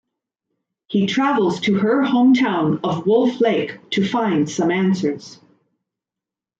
He travels to her hometown of Wolf Lake to find some answers.